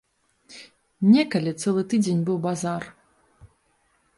Некалі цэлы тыдзень быў базар.